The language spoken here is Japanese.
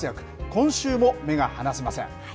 今週も目が離せません。